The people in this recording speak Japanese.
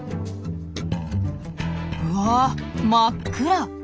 うわ真っ暗。